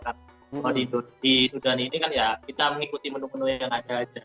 kalau di sudan ini kan ya kita mengikuti menu menu yang ada aja